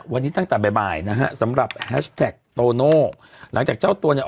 วันนี้ตั้งแต่บ่ายบ่ายนะฮะสำหรับแฮชแท็กโตโน่หลังจากเจ้าตัวเนี่ย